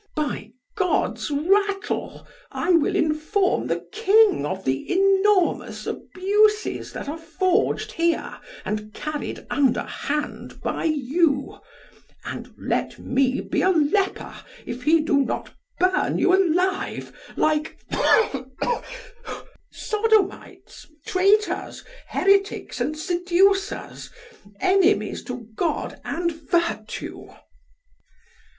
By God's rattle, I will inform the king of the enormous abuses that are forged here and carried underhand by you, and let me be a leper, if he do not burn you alive like sodomites, traitors, heretics and seducers, enemies to God and virtue.